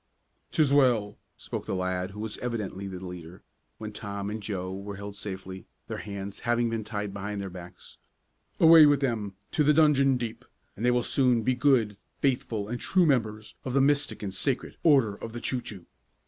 "'Tis well," spoke the lad who was evidently the leader, when Tom and Joe were held safely, their hands having been tied behind their backs. "Away with them to the dungeon deep, and they will soon be good, faithful and true members of the Mystic and Sacred Order of the Choo Choo!"